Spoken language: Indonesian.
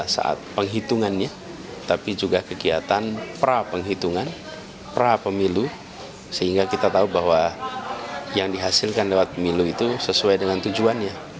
sehingga kita tahu bahwa yang dihasilkan lewat pemilu itu sesuai dengan tujuannya